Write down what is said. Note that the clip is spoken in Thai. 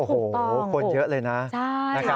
คุณต้องโอ้โฮคนเยอะเลยนะใช่